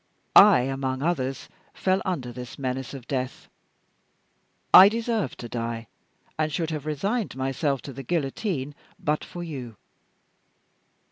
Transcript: I, among others, fell under this menace of death. I deserved to die, and should have resigned myself to the guillotine but for you.